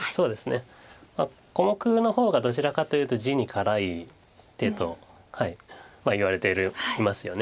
小目の方がどちらかというと地に辛い手と言われていますよね。